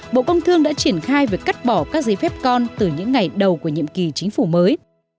bộ công thương đã triển khai việc cắt bỏ các giấy phép con từ những ngày đầu của nhiệm kỳ chính phủ mới